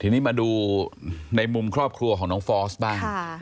ทีนี้มาดูในมุมครอบครัวของน้องฟอสบ้าง